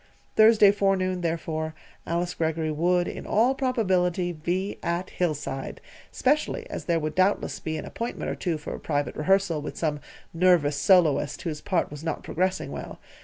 Thursday forenoon, therefore, Alice Greggory would, in all probability, be at Hillside, specially as there would doubtless be an appointment or two for private rehearsal with some nervous soloist whose part was not progressing well.